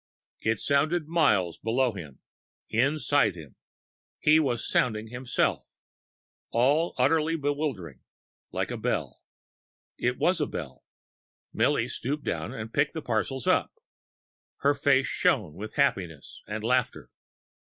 It sounded miles below him inside him he was sounding himself all utterly bewildering like a bell. It was a bell. Milly stooped down and picked the parcels up. Her face shone with happiness and laughter....